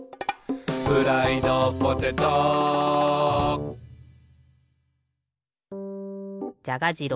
「フライドポテト」じゃが次郎